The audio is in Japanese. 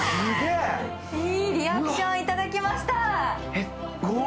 いいリアクションいただきました。